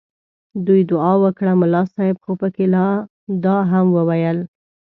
دوی دعا وکړه ملا صاحب خو پکې لا دا هم وویل.